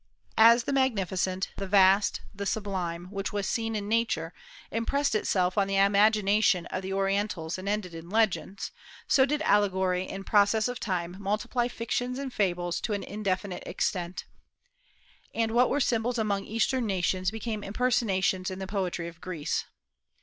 As the magnificent, the vast, the sublime, which was seen in Nature, impressed itself on the imagination of the Orientals and ended in legends, so did allegory in process of time multiply fictions and fables to an indefinite extent; and what were symbols among Eastern nations became impersonations in the poetry of Greece.